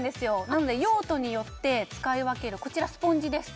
なので用途によって使い分けるこちらスポンジです